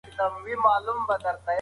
د بازار تریخوالی به تا پیاوړی کړي.